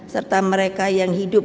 serta mereka yang hidup